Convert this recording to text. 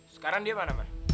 sekarang dia mana man